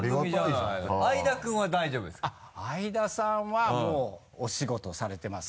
相田さんはお仕事されてます。